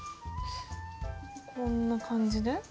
こんな感じで？